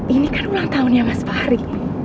ini kan ulang tahunnya mas fahri